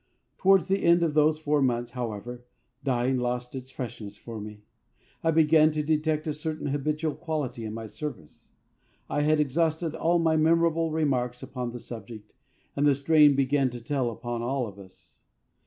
Towards the end of those four months, however, dying lost its freshness for me. I began to detect a certain habitual quality in my service. I had exhausted all my memorable remarks upon the subject, and the strain began to tell upon all of us.